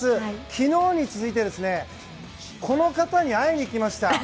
昨日に続いて、この方に会いに来ました。